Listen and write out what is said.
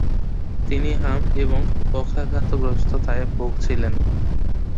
তিনি হাম এবং পক্ষাঘাতগ্রস্ততায় ভূগছিলেন।